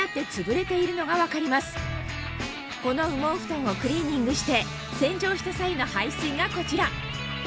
この羽毛ふとんをクリーニングして洗浄した際の排水がこちら